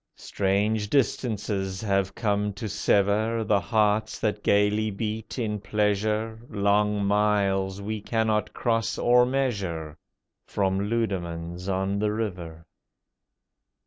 Strange distances have come to sever The hearts that gaily beat in pleasure, Long miles we cannot cross or measure— From Leudemanns on the River.